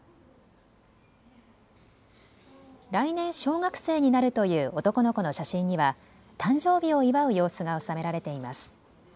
来年小学生になるという男の子の写真には誕生日を祝う様子が収められています。